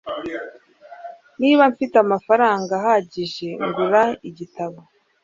niba mfite amafaranga ahagije, nagura igitabo